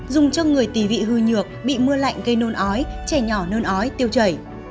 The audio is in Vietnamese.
dùng cho người tị vị hư nhược bị mưa lạnh gây nôn ói trẻ nhỏ nôn ói tiêu chảy